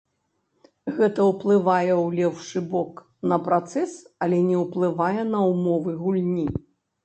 Гэта ўплывае ў лепшы бок на працэс, але не ўплывае на ўмовы гульні.